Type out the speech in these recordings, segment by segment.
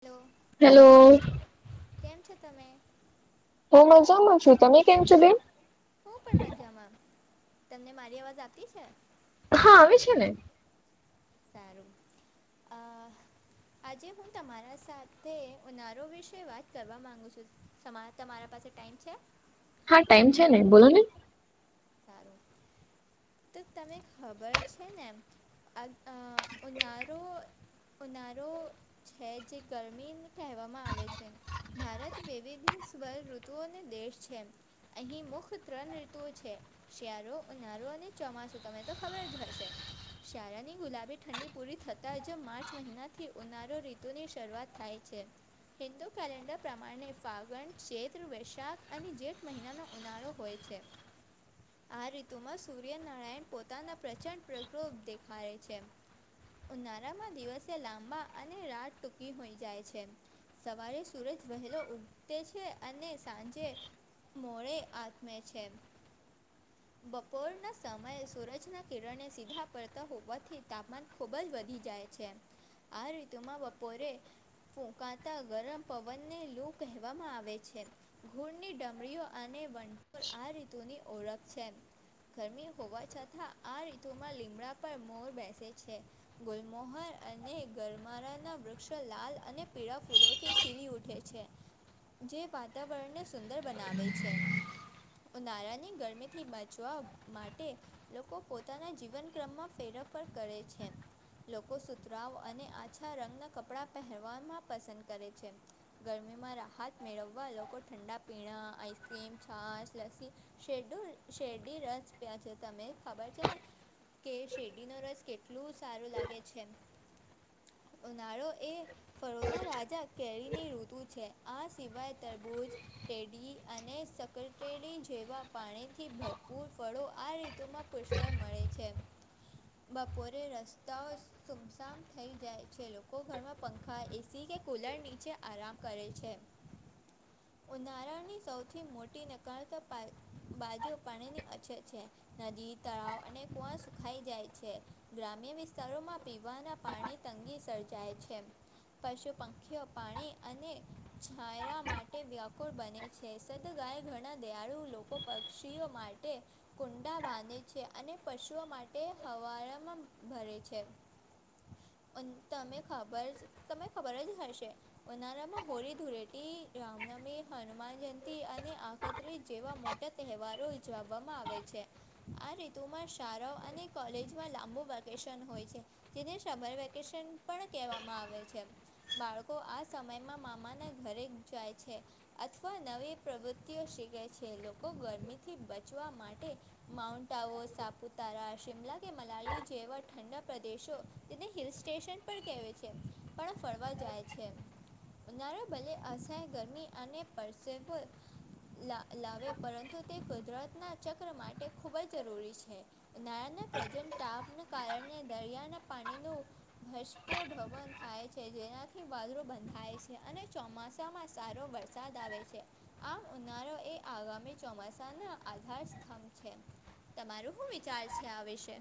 Hello hello કેમ છેો તમે હ મજામાંજ છ તમેં કેચ બેિન હું પણ મજામાંમ તમને મારી અવાજ આપતી છે હા આવે છે ને. સારું આ. આજે હું તમારા સાથે ઉનારો વિશે વાત કરવા માગુ છું તમા તમારા પાસે ટાઈમ છે હા ટાઈમ છે ને બોલો ને સારું તો તને ખબર છે ને એમ રોારો નાારો છે જે ગરમી કહેવામાં આવે છે. ભારત વિવિધ સ્વર ઋતુઓનો દેશ છે.. અહીં મુખ ત્રણ ઋતુઓ છે. શ્યારો ઉનારો અને ચોમાસું તને તો ખબર જ હશે શળાની ગુલાબી ઠંડી પૂરી થતાં જ માર્ચ મહિનાથી ઉનારો ઋતુની શરૂઆત થાય છે. હિન્દુ કેલેન્ડર પ્રમાણે ફાગણ ચૈત્ર વૈશાખ અને જેઠ મહિનાનો ઉનાળો હોય છે. આ ઋતુમાં સૂર્યનારાયણ પોતાના પ્રચંડ પ્રગૃપ દેખાયે છે. ઉનાળામાં દિવસે લાંબા અને રાત ટૂંકી હોઈ જાય છે. સવારે સુરજ વહેલો ઉગટે છે અને સાંજે. મોડે આત્મે છે. બપોરના સમયે સૂરજના કિરણને સીધા પડતા હોવાથી તાપમાન ખૂબજ વધી જાય છે આ ઋતુમાં બપોરે ફૂંકાતા ગરમ પવનને લૂ કહેવામાં આવે છે. ઘૂરની ડમરીઓ અને વંઠોર આ ઋતુની ઓળખ છે. ગરમી હોવા છતાં આ રીતુમાં લીમડા પર મોર બેસે છે. ગુલમોહર અને ગરમારાના વૃક્ષો લાલ અને પીળા ફૂલો થી ખીલી ઉઠે છે જે વાતાવરણને સુંદર બનાવે છે. ઉનાળાની ગરમિ થી બચવા માટે લોકો પોતાના જીવન ક્રમમાં ફેરફ કરે છે. લોકો સુતરાવ અને આછા રંગના કપડા પહેરવામાં પસંદ કરે છે. ગરમીમાં રાહત મેળવવા લોકો ઠંડા પીણા આઈસક્રીમ છાશ લસ્સી શેરડુ શેરડી રસ પ્યા છે તમે ખબર છે ને? કે શેરડીનો રસ કેટલું સારું લાગે છે. ઉનાળો એ ફરોનો રાજા કેરીની ઋતુ છે આ સિવાય તરબૂજ ટેડીી અને સકરટેડી જેવા પાણી થી ભરપૂર ફળો આ ઋતુમાં પુષ્કળ મળે છે. બપોરે રસ્તાઓ સુમસામ થઈ જાય છે લોકો ઘરમાં પંખા એસી કે કુલરની. ચે આરામ કરે છે. ઉનાળની સૌથી મોટી નકળતા પાય. તેઓ પાણીની અછત છે. નદી તળાવ અને કુવા સુખાઈ જાય છે ગ્રામ્ય વિસ્તારોમાં પીવાના પાણી તંગી સર્જાય છે. પશુ પંખીઓ પાણી અને છાયરા માટે વ્યાકુળ બને. છેસત ગાય ઘણા દયાળુ લોકો પક્ષીઓ માટે કુંડા બાંધે છે અને પશુઓ માટે હવામાં ભરે છે. તમે ખબર તમે ખબરજ હશે. ઉનાળામાં હોળી ધુળેટી રામનમી હનુમાન જયંતિ અને આખત્રી જેવા મોટા. તહેવારો ઉજવવામાં આવે છે. આ ઋતુમાં શાળાઓ અને કોલેજમાં લાંબુ વેકેશન હોય છે. જેને સમર વેકેશન પણ કહેવામાં આવે છે. બાળકો આ સમયમાં મામાના ઘરે જાય છે. અથવા નવી પ્રવૃત્તિઓ શીખે છે લોકો ગરમીથી બચવા માટે માઉન્ટ આવો સાપુતારા શિમલા કે મલાલી જેવર ઠંડા પ્રદેશો. તેને હિલ સ્ટેશન પણ કહે છે પણ ફરવા જાય છે. ઉનાળા બલે અશાય ગરમી અને પરસેવો લાવે પરંતુ તે કુદરતના ચક્ર માટે ખૂબજ જરૂરી છે. નાના પ્રજન ટાપનાને કારણે દરિયાના પાણીનો ભષપ ભવન થાય છે જેનાથી વાદરો બંધાય છે અને ચોમાસામાં સારો વર. સાદ આવે છે આમ ઉનારો એ આગામી ચોમાસાના આધાર સ્તંભ છે તમારું શું વિચાર છે આ વિશે?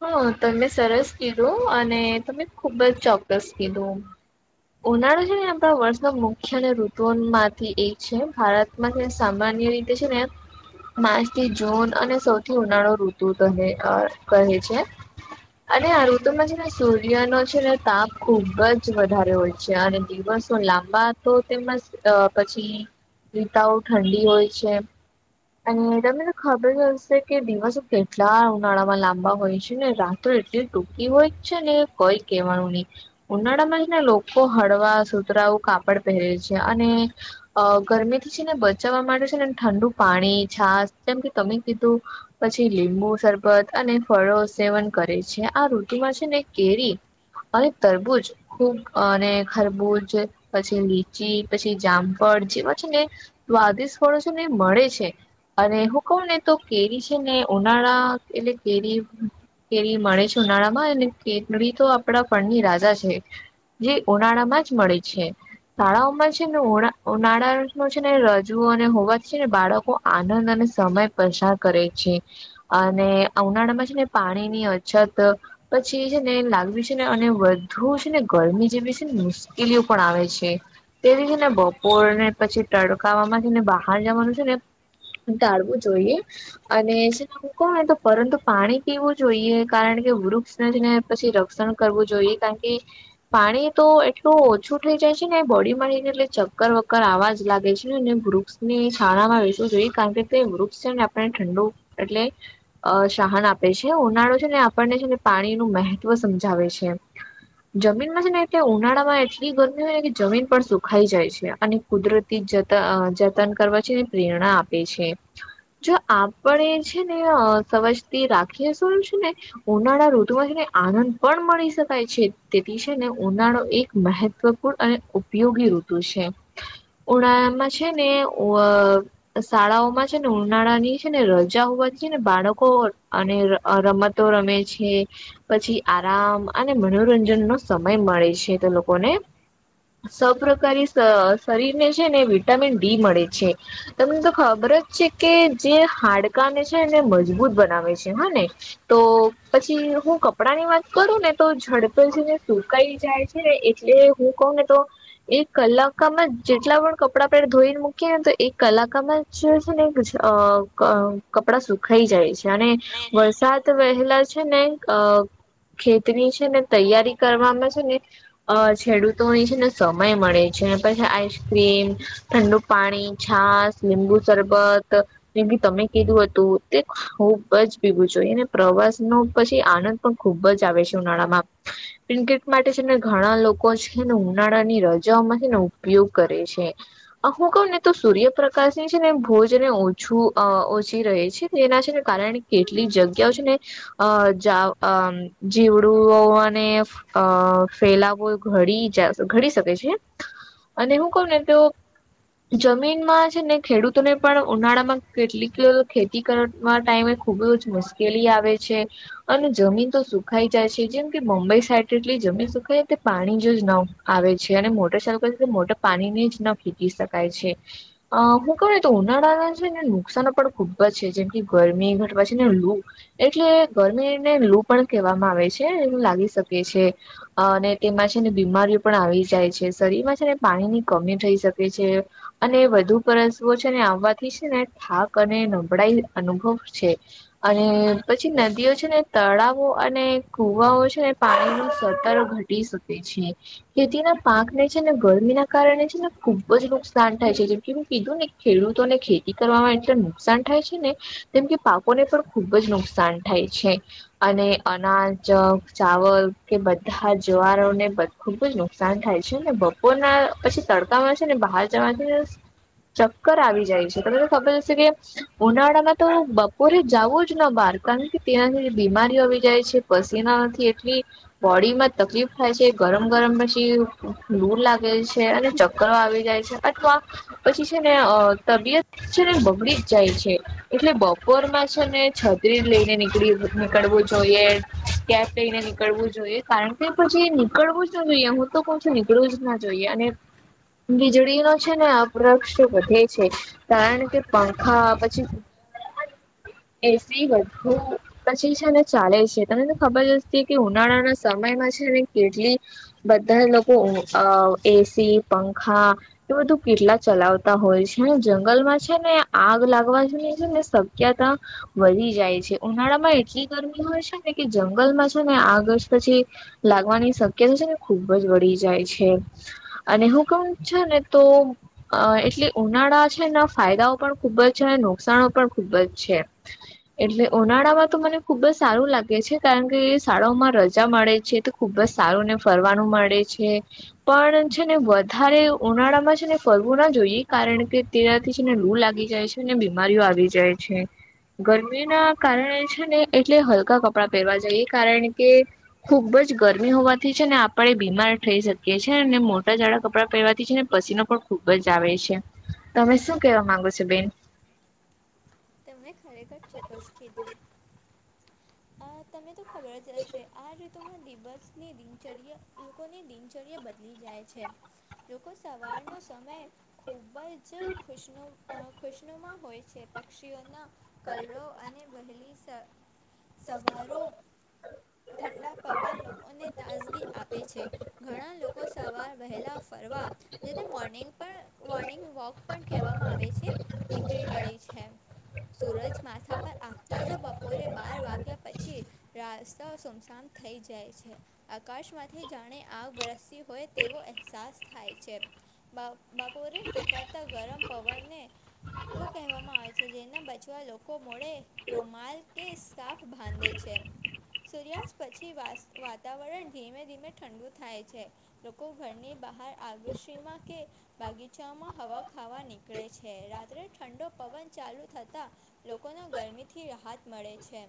હા તમે સરસ કીધું અને તમે ખુબજ ચોક્કસ કીધું. ઉનાળા છે ને આપણા વર્ષનો મુખ્ય અને ઋતુ માંથી એક છે. મને સામાન્ય રીતે છે ને માર્ચ થી જૂન અને સૌથી ઉનાળો ઋતુ કહે કહે છે. અને આ ઋતુમાં છે ને સૂર્યનો છે ને તાપ ખુબ જ વધારે હોય છે અને દિવસ લાંબા તો તેમ જ પછી રીતાઓ ઠંડી હોય છે. અને તમને તો ખબર જ હશે કે દિવસો કેટલા ઉનાળામાં લાંબા હોય છે ને રાત તો એટલી ટૂંકી હોય જ છે ને કઈ કહેવાનું નહી. ઉનાળામાં જ ને લોકો હળવા સુતરાવુ કાપડ પહેરે છે અને અ ગરમીથી છે ને બચાવવા માટે છે ને ઠંડુ પાણી છાાસ જેમ કે તમે કીધું પછી લીંબુ સરબત અને ફળો સેવન કરે છે આ ઋતુમાં છે ને કેરી અરે તરબુંચ અ ને ખરબૂજ પછી લીચી પછી જામફળ જેવા છે ને. સ્વાદિષ્ટ ફળો છે ને એ મળે છે. છે અને હુ કઉ ને તો કેરી છે ને ઉનાળા એટલે કેરી કેરી મળે છે ઉનાળા માં અને કેતડી તો આપડા ફળ ની રાજા છે. જે ઉનાળામાં જ મળે છે. શાળાઓમાં છે ને ઉ ઉનાળા નો છે ને રજવુ અને હોવા છે ને બાળકો આનંદ અને સમય પસાર કરે છે. અને ઉનાળા માં છે ને પાણી ની અછત પછી એ છે ને લાગવી છે ને અને વધુ છે ને ગરમી જેવી છે ને મુશ્કેલીઓ પણ આવે છે. તેથી છે ને બપોર ને પછી તડકામાંથી ને બહાર જવાનું છે ને ટાળવું જોઈએ. અને છે ને હું કઉ ને તો પરંતુ પાણી પીવું જોઈએ કારણ કે વૃક્ષ ને જે પછી રક્ષણ કરવું જોઈએ કારણ કે એ પાણી તો એટલું ઓછું થઈ જાય છે ને બોડી રી ને એટલે ચક્કર વક્કર આવાજ લાગે છે ને વૃક્ષની છાણામાં બેસવું જોઈએ કારણ કે તે વૃક્ષ છે ને આપણે ઠંડુ એટલે અ સહન આપે છે ઉનાળો છે ને આપણને છે ને પાણી નું મહત્વ સમજાવે છે. જમીનમાં છેને ઉનાળા માં એટલી ગરમી હોય ને કે જમીન પણ સુખાઈ જાય છે અને કુદરતી જતન જતન કરવા છેને પ્રેરણા આપે છે. જો આપણેે છે ને સવજતી રાખીએ છે ને. ઉનાળા ઋતુમાંથીને આનંદ પણ મળી શકાય છે તેથી છે ને ઉનાળો એક મહ ત્વપૂર્ણ અને ઉપયોગી ઋતુ છે ઉનાળામાં છે ને શાળાઓમાં છે ને ઉનાળા ની છે ને રજા હોવાથી છે ને બાળકો અને ર મતો રમે છે. પછી આરામ અને મનોરંજન નો સમય મળે છે તે લોકોને સ પ્રકારી શરીર ને છે ને વિટામિન ડી મળે છે. તમને તો ખબર જ છે કે જે હાડકાને છે ને મજબૂત બનાવે છે હા ને. તો પછી હું કપડા ની વાત કરું ને તો ઝડપે છે ને સુકાઈ જાય છેને. એ હું કહ ને તો એક કલાકમાં જેટલા પણ કપડા આપણે ધોઈને મૂકીએ ને તો એક કલાકામાં જ છે ને કપડા સુખાઈ જાય છે. જાણે અને અને વરસાદ વહેલા છે ને અ ખેતની છે ને તૈયારી કરવામાં છે ને. અ ખેડૂતોની છે ને સમય મળે છે પછી આઈસક્રીમ ઠંડુ પાણી છાસ લીંબુ શરબત જે ભી તમે કીધું હતું તે ખુબ જ ભીગું જોને પ્રવાસ ન પછી આનંદ પણ ખુબ જ આવે છે ઉનાળામાં બ્લિન્કીટ માટે છે ને ઘણા લોકો છે ને ઉનાળાની રજાઓમાં છે ને ઉપયોગ કરે છે. અ હું કઉ ને તો સૂર્યપ્રકાશ ની છે ને ભોજને ઓછું ઓછી રહે છે તેના છે ને કારણ કે. એટલી જગ્યાઓ છે ને અ જીવડુંઓ અને. અ ફેલાવો ઘડી જ ઘડી શકે છે અને હું કઉ ને તો. જમીનમાં છે ને ખેડૂતોને પણ ઉનાળામાં કેટલીક ખેતી કરવા ટાઈમે ખૂબ જ મુશ્કેલી આવે છે. અને જમીન તો સુખાઈ જાય છે જેમ કે મુંબઈ સાઈટ એટલી જમીન સુખાય તે પાણી જોજ ના હો. આવે છે અને મોટર ચાલુ કરે છે તો મોટર પાણીને જ ન ફેકી શકાય છે. અ હું કહ તો ઉનાળાના છે ને નુકસાન પણ ખુબ જ છે જેમ કે ગરમી ઘટવા છે ને. એટલે ગરમીને લૂ પણ કહેવામાં આવે છે એ લાગી શકે છે. અને તેમાં છે ને બીમારીઓ પણ આવી જાય છે શરીરમાં છે ને પાણી ની કમી થઈ શકે છે. અને વધુ પરસવો છે ને આવવાથી છે ને થાક અને નબળાઈ અનુભવ છે. અને પછી. નદીઓ છે ને તળાવો અને કુવાઓ છે ને પાણી ન સરતારો ઘટી શકે છે. ખેતીના પાકને છે ને ગરમી ના કારણે છે ને ખુબ જ નુકસાન નુકસાન થાય છે જેમ કેું કીધું ને ખેડૂતોને ખેતી કરવામાં એટલ નુકસાન થાય છે ને કેમ કે પાકોને પણ ખુબ જ નુકસાન થાય છે. અને અનાજક ચાવલ કે બધા જવારોને ખુબ જ નુકસાન થાય છે ને બપોરના પછી તડકામાં છે ને બહાર જવાથી ને ચક્કર આવી જાય છે તમને ખબર હશે કે ઉનાળામાં તો બપોરે જવું જ ન બહાર. કારણ કે તેનાથી બીમારીઓ આવી જાય છે પસીના નથી એટલી બોડી માં તકલીફ થાય છે ગરમ ગરમ પછી લૂર લાગે છે અને ચક્કરો આવી જાય છે.. અથવા. પછી છે ને તબિયત છે ને બગડી જ જાય છે એટલે બપોરમાં છે ને. છત્રી લઈને નીકળી નીકળવું જોઈએ કેપ લઈને નીકળવું જોઈએ. કારણ કે પછી નીકળવું જ ના જોઈએ હું તો કો છું નીકળવું જ ના જોઈએ અને બીજળી નો છે ને આ વૃક્ષ વધે છે કારણ કે પંખા પછી એસી વધુ. પછી છે ને ચાલે છે તને તો ખબર જ કે ઉનાળાના સમયમાં છે ને કેટલી. બધા લોકો અ એસી પંખા એ બધું કેટલા ચલાવતા હોય છે જંગલમાં છે ને આગ લાગવા જો છે ને શક્યતા વધી જાય છે ઉનાળામાં એટલી ગરમી હોય છે ને કે જંગલમાં છે ને આગસ્ટ પછી લાગવાની શક્યતા છે ને ખુબ જ વળી જાય છે અને હું કોમ છુ ને તો. અ એટલે ઉનાળા છેના ફાયદાઓ પણ ખૂબ જ છે અને નુકસાન પણ ખૂબ જ છે. એટલે ઉનાળામાં તો મને ખુબ જ સારું લાગે છે કારણ કે શાળાઓમાં રજા મળે છે. ખુબ જ સારું ને ફરવાનું મળે છે પણ છે ને વધારે ઉનાળા માં છે ને ફરવું ના જોઈએ કારણ કે તેનાથી છેને લૂ લાગી જાય છે ને બીમારીઓ આવી જાય છે. ગરમી ના કારણે છે ને એટલે હલકા કપડાં પહેરવા જઈએ કારણ કે ખુબ જ ગરમી હોવાથી છે ને આપડે બીમાર થઈ શકીએ છીએ ને મોટા જાઝડા કપડાં પહેરવાથી છે ને પછી ન પણ ખુબ જ આવે છે તમે શું કેવા માંગો છો બેન તેમણે ખરેખર ચોક્કસ કીધું. અ તમે તો ખબર જ હશે આ ઋતુમાં દિવસની દિનચર્યા લોકોની દિનચર્યા બદલી જાય છે લોકો સવારનો સમય ખૂબ જ. ખુશનુ ખુશનુમાં હોય છે પક્ષીઓના કલરો અને વહેલી સા સવારોો ઠંડા પવન લોકોને તાઝગી આપી આપે છે ઘણા લોકો સવાર વહેલાં ફરવા જે તે મોર્નિંગ પણ મોર્નિંગ વોક પણ કહેવામાં આવે છે. નીકળી પડી છે સૂરજ માથા પર આવતા જ બપોરે બાર વાગે. ત્યાં પછી રાસ્તા સુમસામ થઈ જાય છે આકાશમાંથી જાણે આગ વરસ હોય તેવો અહેસાસ થાય છે બાપોરે ફૂંકાતા ગરમ પવનને એવું કહેવામાં આવે છે જે તેના બચવા લોકો મોડે રોમાલ કે સ્કાફ બાંધે છે સૂર્યાસ્ પછી વાસ વાતાવરણ ધીમે ધીમે ઠંડુ થાય છે લોકો ઘરની બહાર આગળ સીમા કે બગીચામાં હવા ખાવા નીકળે છે રાત્રે ઠંડો પવન ચાલુ થતા લોકોને ગરમીથી રાહત મળે છે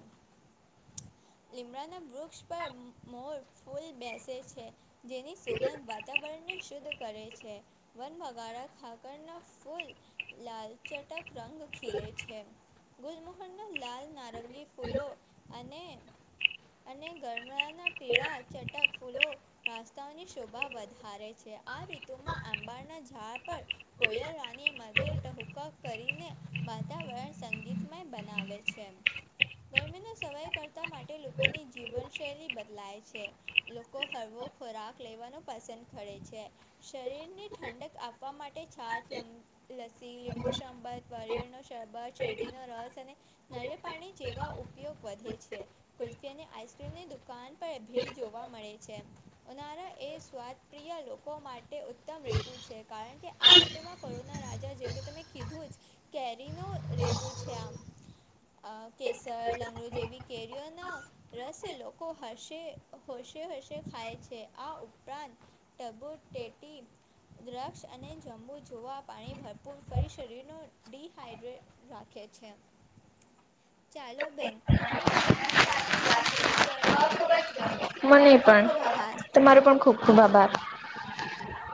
લીમડાના વૃક્ષ પર મોર ફૂલ બેસે છે જેની સોગંધ વાતાવરણને શુદ્ધ કરે છે વન વગાારા ખાકરના ફૂલ લાલ ચટક રંગ ખીલે છે ગુલમુહનના લાલ નારંગી ફૂલો અને અને ગરમળનાં પીળા ચટક ફૂલો રાસ્તાઓની શોભા વધારે છે આ ઋતુમાં આંબાળના ઝાડ પર કોયલ રાની મધુર ટહુકા કરીને વાતાવરણ સંગીતમય બનાવે છેમી સવાય કરતા માટે લોકોની જીવનશૈલી બદલાય છે લોકો હળવો ખોરાક લેવાનો પસંદ કરે છે શરીરને ઠંડક આપવા માટે છાત લસ્સી લીંબુ શંબાદ વારિયળ નો શંબાત શેરડીનો રસ અને નળ પાણી જેવા ઉપયોગ વધે છે કુલ્ફી અને આઈસક્રીમની દુકાન પર ભીડ જોવા મળે છે ઉનારા એ સ્વાદ પ્રિય લોકો માટે ઉત્તમ ઋતુ છે કારણ કે આ ઋતુમાં ફોના રાજા જેમ કે તમે કીધું જ કેરી ન ીતુ છે આમ કેસર લંગડ જેવીી કેર્યોના રસે લોકો હશે હશે હશે ખાય છે આ ઉપરાંત ડબુટેટી દ્રક્ષ અને જંબુ જોવા પાણી ભરપૂર ફરી શરીરનું ડિહાઈડ્રેટ રાખે છે ચાલો બેન મને તમારા સાથે વાત કરવા ખૂબ જ ગમ્યું મને તમારો પણ ખૂબ ખૂબ આભાર તમારો પણ ખૂબ ખૂબ આભાર